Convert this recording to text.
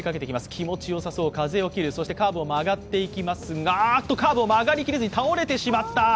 気持ちよさそう、風を切る、そしてカーブを曲っていきますが曲がりきれずに倒れてしまった。